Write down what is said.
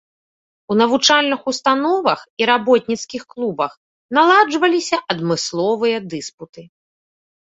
У навучальных установах і работніцкіх клубах наладжваліся адмысловыя дыспуты.